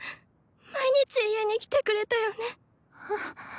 毎日家に来てくれたよね。